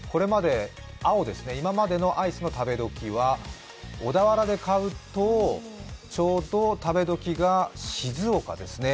青ですね、今までのアイスの食べ時は小田原で買うと、ちょうど食べどきが静岡ですね。